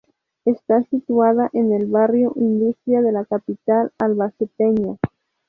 Está situada en el barrio Industria de la capital albaceteña.